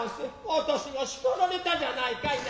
私が叱られたじゃないかいな。